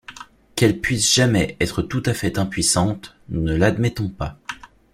Qu’elle puisse jamais être tout à fait impuissante, nous ne l’admettons pas.